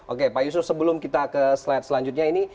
oke pak yusuf sebelum kita ke slide selanjutnya ini